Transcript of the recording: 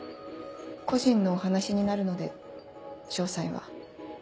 個人のお話になるので詳細は。